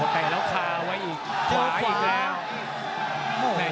ตายแล้วคาเอาไว้อีกขวาอีกแล้ว